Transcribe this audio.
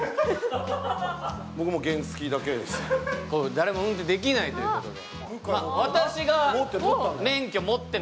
誰も運転できないということで。